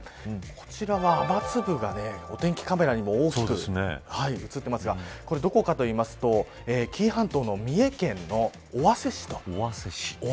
こちらは雨粒がお天気カメラにも大きく映っていますがどこかというと、紀伊半島の三重県の尾鷲市と。